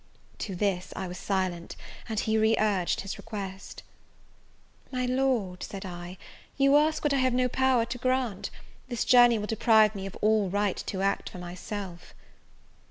To this I was silent, and he re urged his request. "My Lord," said I, "you ask what I have no power to grant. This journey will deprive me of all right to act for myself."